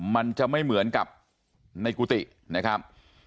มันจะไม่เหมือนกับในกุฏินะครับ